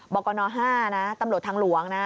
กกน๕นะตำรวจทางหลวงนะ